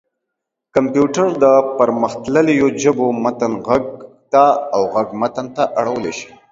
کمپيوټر د پرمختلليو ژبو متن غږ ته او غږ متن ته اړولی شي.